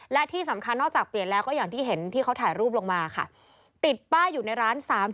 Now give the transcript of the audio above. และที่สำคัญนอกจากเปลี่ยนแล้วก็อย่างที่เห็นที่เขาถ่ายรูปลงมาค่ะ